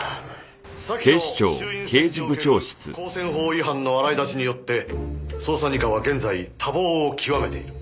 先の衆院選における公選法違反の洗い出しによって捜査二課は現在多忙を極めている。